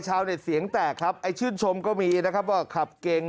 ชาวเน็ตเสียงแตกครับไอ้ชื่นชมก็มีนะครับว่าขับเก่ง